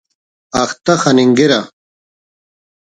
اختہ خننگرہ